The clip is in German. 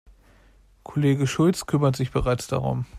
Kollege Schulz kümmert sich bereits darum.